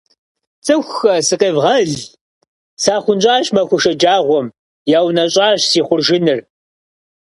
Цӏыхухэ! Сыкъевгъэл! Сахъунщӏащ махуэ шэджагъуэм. Яунэщӏащ си хъуржыныр.